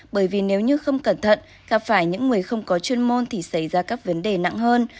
bởi vì nếu như không cẩn thận gặp phải những người không có chuyên môn thì xảy ra các vấn đề nặng hơn